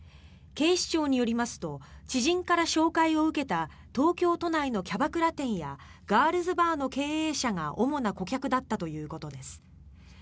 警視庁によりますと知人から紹介を受けた東京都内のキャバクラ店やガールズバーの経営者が主な顧客だったということです。